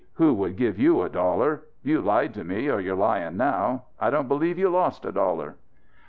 Who would give you a dollar? You lied to me, or you're lying now. I don't believe you lost a dollar."